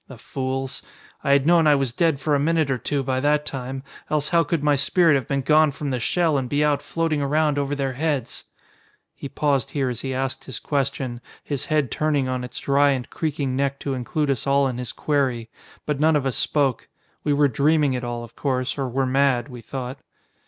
The fools! I had known I was dead for a minute or two by that time, else how could my spirit have been gone from the shell and be out floating around over their heads?" He paused here as he asked his question, his head turning on its dry and creaking neck to include us all in his query. But none of us spoke. We were dreaming it all, of course, or were mad, we thought.